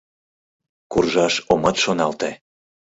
— Куржаш омат шоналте!